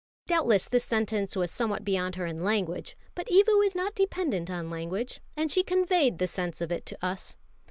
Doubtless this sentence was somewhat beyond her in language; but Evu is not dependent on language, and she conveyed the sense of it to us.